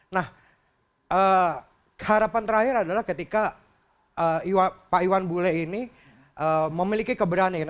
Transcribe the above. nah harapan terakhir adalah ketika pak iwan bule ini memiliki keberanian